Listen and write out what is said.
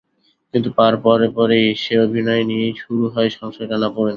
কিন্তু পাওয়ার পরপরই সেই অভিনয় নিয়েই শুরু হয় সংসারের টানাপোড়েন।